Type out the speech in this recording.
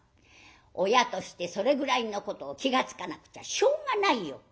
親としてそれぐらいのこと気が付かなくちゃしょうがないよ」。